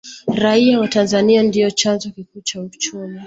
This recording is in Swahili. raia wa tanzania ndiyo chanzo kikuu cha uchumi